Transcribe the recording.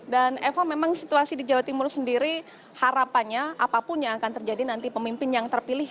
dan eva memang situasi di jawa timur sendiri harapannya apapun yang akan terjadi nanti pemimpin yang terpilih